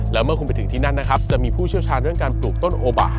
แล้วเมื่อคุณไปถึงที่นั่นนะครับจะมีผู้เชี่ยวชาญเรื่องการปลูกต้นโอบะ